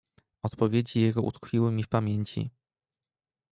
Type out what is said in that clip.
"Odpowiedzi jego utkwiły mi w pamięci."